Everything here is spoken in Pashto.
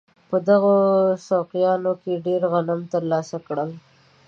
په دغو سوقیانو کې ډېر غنایم ترلاسه کړل.